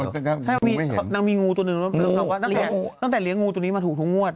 แก้มบุ๋มไม่เห็นนางมีงูตัวนึงตั้งแต่เลี้ยงงูตัวนี้มาถูกทุกงวด